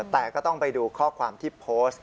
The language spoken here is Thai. แต่ก็ต้องไปดูข้อความที่โพสต์